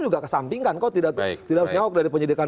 juga kesampingkan kok tidak harus nyawak dari penyidikan